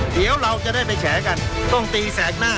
เดี๋ยวเราจะได้ไปแฉกันต้องตีแสกหน้า